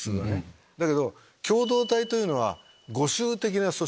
だけど共同体というのは互酬的な組織。